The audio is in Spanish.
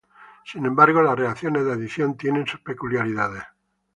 Sin embargo, las reacciones de adición tienen sus peculiaridades.